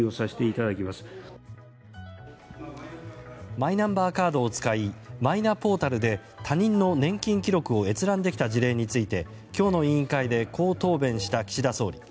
マイナンバーカードを使いマイナポータルで他人の年金記録を閲覧できた事例について今日の委員会でこう答弁した岸田総理。